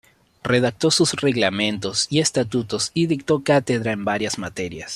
Redactó sus reglamentos y estatutos y dictó cátedra de varias materias.